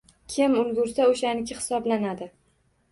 Kim ulgursa o‘shaniki hisoblanadi.